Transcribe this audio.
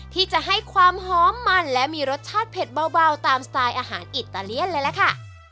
ที่จะให้ความหอมมันและมีรสชาติเผ็ดเบาตามสไตล์อาหารอิตาเลียนเลยล่ะค่ะ